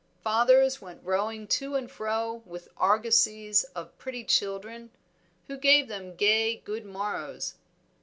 Fathers went rowing to and fro with argosies of pretty children, who gave them gay good morrows.